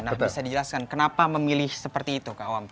nah bisa dijelaskan kenapa memilih seperti itu kawam